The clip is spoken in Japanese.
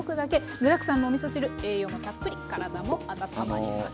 具だくさんのおみそ汁栄養もたっぷり体も温まります。